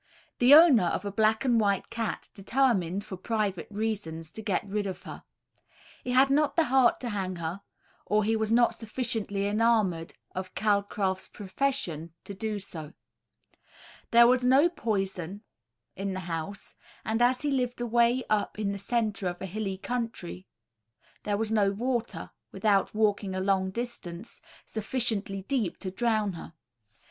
The owner of a black and white cat determined, for private reasons, to get rid of her. He had not the heart to hang her, or he was not sufficiently enamoured of Calcraft's profession to do so; there was no poison in the house; and as he lived away up in the centre of a hilly country, there was no water, without walking a long distance, sufficiently deep to drown her.